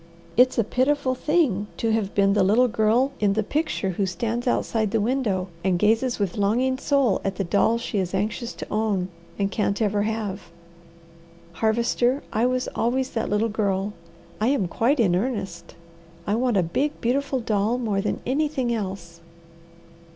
It's a pitiful thing to have been the little girl in the picture who stands outside the window and gazes with longing soul at the doll she is anxious to own and can't ever have. Harvester, I was always that little girl. I am quite in earnest. I want a big, beautiful doll more than anything else."